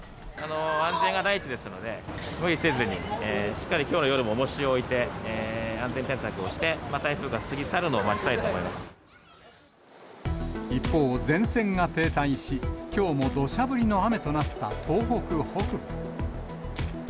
安全が第一ですので、無理せずに、しっかりきょうの夜もおもしを置いて、安全対策をして、台風が過一方、前線が停滞し、きょうもどしゃ降りの雨となった東北北部。